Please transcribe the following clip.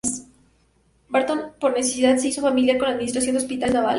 Barton, por necesidad, se hizo familiar con la administración de hospitales navales.